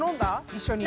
一緒に。